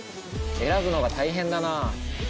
選ぶのが大変だなあ。